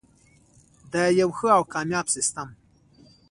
د یو ښه او کامیاب سیستم.